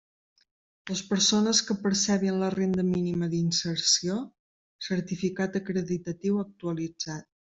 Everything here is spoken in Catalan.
Les persones que percebin la Renda Mínima d'Inserció: certificat acreditatiu actualitzat.